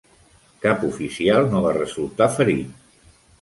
Cap oficial no va resultar ferit.